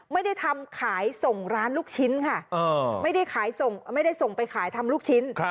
ไม่ได้ทำขายส่งร้านลูกชิ้นค่ะไม่ได้ส่งไปขายทำลูกชิ้น